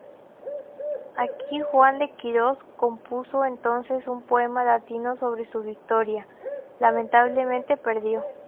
Aquí Juan de Quirós compuso entonces un poema latino sobre su victoria, lamentablemente perdido.